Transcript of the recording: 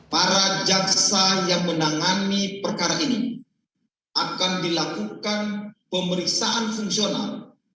para jaksa yang menangani perkara ini akan dilakukan pemeriksaan fungsional